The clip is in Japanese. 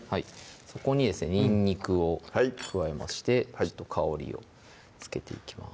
そこにですねにんにくを加えましてちょっと香りをつけていきます